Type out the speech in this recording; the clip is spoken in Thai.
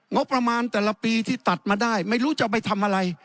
งบประมาณแต่ละปีที่ตัดมาได้ไม่รู้จะไปทำอะไร